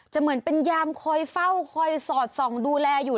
เหมือนเป็นยามคอยเฝ้าคอยสอดส่องดูแลอยู่